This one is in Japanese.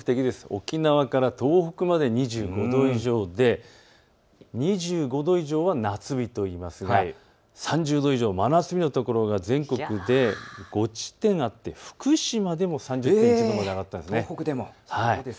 沖縄から東北まで２５度以上で、２５度以上は夏日といいますが３０度以上、真夏日の所が全国で５地点あって、福島でも３０．１度まで上がったんです。